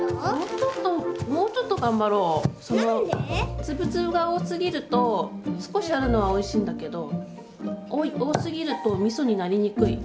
粒々が多すぎると少しあるのはおいしいんだけど多すぎるとみそになりにくい。